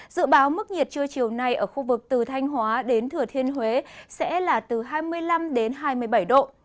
dự báo mức nhiệt trưa chiều nay ở khu vực từ thanh hóa đến thừa thiên huế sẽ là từ hai mươi năm đến hai mươi bảy độ